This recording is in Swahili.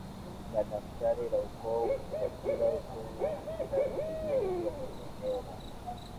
na daftari la Ukoo kwa kila Ukoo na kila familia iliyo kwenye eneo lake